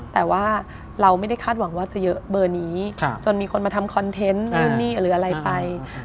แต่ว่าเราไม่ได้คาดหวังว่าจะเยอะเบอร์นี้จนมีคนมาทำคอนเทนต์นู่นนี่หรืออะไรไป